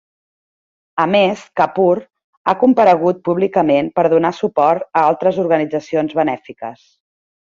A més, Kapoor ha comparegut públicament per donar suport a altres organitzacions benèfiques.